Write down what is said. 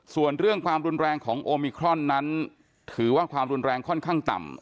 ส่วนเรื่องความรุนแรงของโอมิครอนนั้นถือว่าความรุนแรงค่อนข้างต่ำ